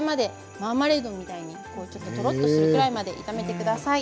マーマレードみたいにとろとろっとするぐらいまで炒めてください。